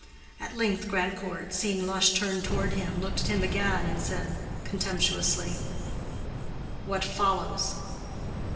At length Grandcourt, seeing Lush turn toward him, looked at him again and said, contemptuously, "What follows?"